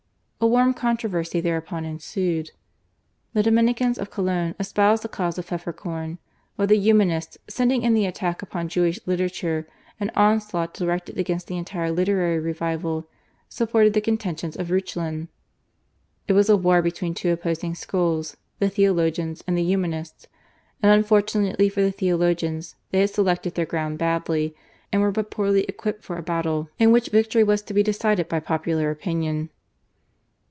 A warm controversy thereupon ensued. The Dominicans of Cologne espoused the cause of Pfefferkorn, while the Humanists, scenting in the attack upon Jewish literature an onslaught directed against the entire literary revival, supported the contentions of Reuchlin. It was a war between two opposing schools the Theologians and the Humanists; and, unfortunately for the Theologians, they had selected their ground badly, and were but poorly equipped for a battle in which victory was to be decided by popular opinion.